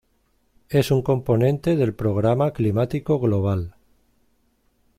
Es un componente del Programa Climático Global.